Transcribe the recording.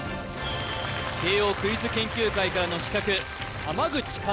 慶應クイズ研究会からの刺客口和